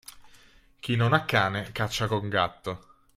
Chi non ha cane, caccia con gatto.